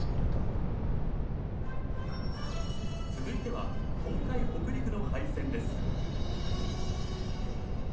続いては東海北陸の廃線です。